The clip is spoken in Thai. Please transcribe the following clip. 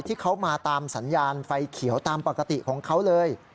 ที่เขามาตามสัญญาณไฟเขียวตามปกติของเขาเลย